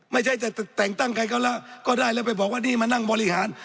ไม่ใช่จะแต่งตั้งใครก็แล้วก็ได้แล้วไปบอกว่านี่มานั่งบริหาร